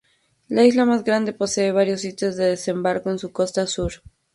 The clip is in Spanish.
La isla más grande posee varios sitios de desembarco en su costa sur.